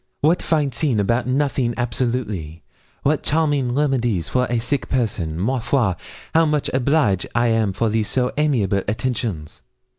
What fine scene about nothing absolutely what charming remedies for a sick person! Ma foi! how much oblige I am for these so amiable attentions!'